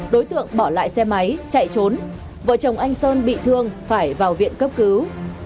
đối tượng bỏ lại xe máy chạy trốn vợ chồng anh sơn bị thương phải vào viện cấp cứu